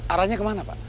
aranya ke mana pak